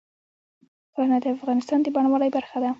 ښارونه د افغانستان د بڼوالۍ برخه ده.